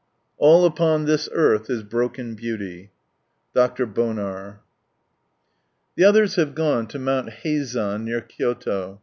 '^ All upon this tarlh is broken beauty."— U\t. BoNAK. The others have gone to Mount Heizan, near Kyoto.